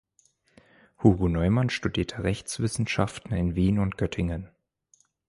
Hugo Neumann studierte Rechtswissenschaften in Wien und Göttingen.